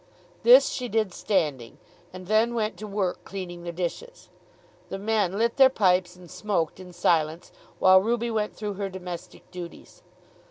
This she did standing, and then went to work, cleaning the dishes. The men lit their pipes and smoked in silence, while Ruby went through her domestic duties.